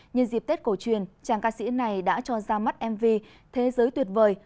nhân dịp tết cổ truyền chàng ca sĩ này đã cho ra mắt mv thế giới tuyệt vời